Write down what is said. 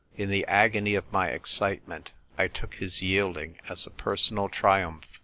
In the agony of my excitement I took his yielding as a personal triumph.